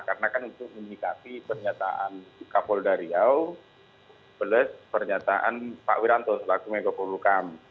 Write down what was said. karena kan untuk menikmati pernyataan kapol dariyaw plus pernyataan pak wiranto selaku mengikuti ukam